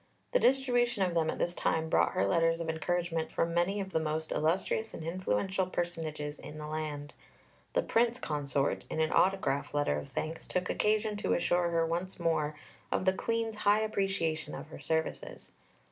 The distribution of them at this time brought her letters of encouragement from many of the most illustrious and influential personages in the land. The Prince Consort, in an autograph letter of thanks, took occasion to assure her once more of "the Queen's high appreciation of her services."